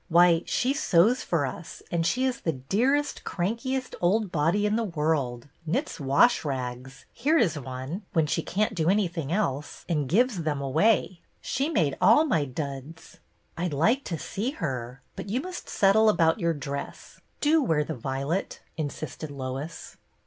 Why, she sews for us, and she is the dearest, crankiest old body in the world, — knits wash rags — here is one — when she can't do anything else, and gives them away. She made all my duds." " I'd like to see her, but you must settle about your dress. Do wear the violet," insisted Lois.